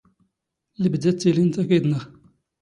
ⵍⴱⴷⴰ ⵜⵜⵉⵍⵉⵏⵜ ⴰⴽⵉⴷⵏⵖ.